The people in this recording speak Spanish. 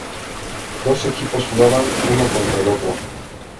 Dos equipos jugaban uno contra el otro.